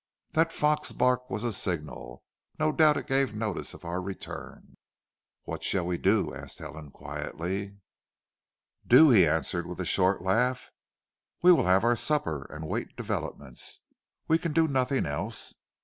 That fox bark was a signal. No doubt it gave notice of our return." "What shall we do?" asked Helen quietly. "Do!" he answered with a short laugh. "We will have our supper and wait developments. We can do nothing else.